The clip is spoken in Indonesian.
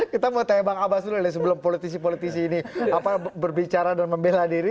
kita mau tanya bang abbas dulu sebelum politisi politisi ini berbicara dan membela diri